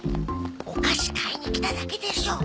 お菓子買いに来ただけでしょ！